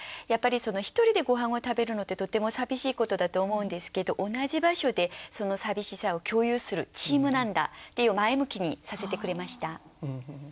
やっぱりその一人でごはんを食べるのってとっても寂しいことだと思うんですけど同じ場所でその寂しさを共有するチームなんだっていう前向きにさせてくれました。